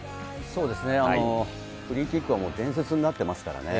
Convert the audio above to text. フリーキックはもう伝説になってますからね。